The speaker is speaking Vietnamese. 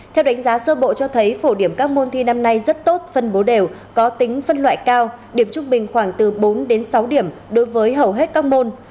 theo đánh giá sơ bộ cho thấy phổ điểm các môn thi năm nay rất tốt phân bố đều có tính phân loại cao điểm trung bình khoảng từ bốn đến sáu điểm đối với hầu hết các môn